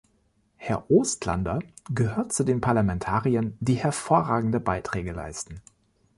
Herr Oostlander gehört zu den Parlamentariern, die hervorragende Beiträge leisten.